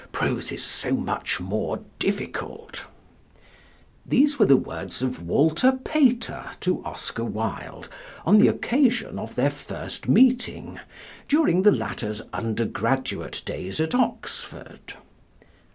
Prose is so much more difficult." These were the words of Walter Pater to Oscar Wilde on the occasion of their first meeting during the latter's undergraduate days at Oxford.